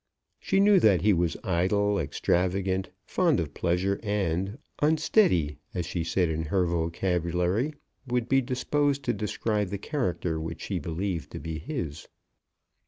She knew that he was idle, extravagant, fond of pleasure, and, unsteady, as she in her vocabulary would be disposed to describe the character which she believed to be his.